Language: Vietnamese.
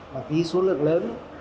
mà ký số lượng lớn